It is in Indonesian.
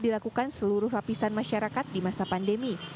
dilakukan seluruh lapisan masyarakat di masa pandemi